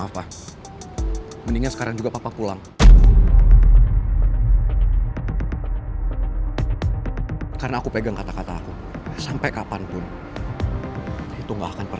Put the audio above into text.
penggunaannya papa hidup